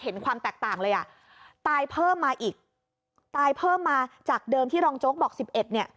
ความแตกต่างเลยอ่ะตายเพิ่มมาอีกตายเพิ่มมาจากเดิมที่รองโจ๊กบอกสิบเอ็ดเนี่ย